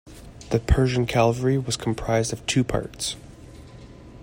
The Persian cavalry was composed of two parts.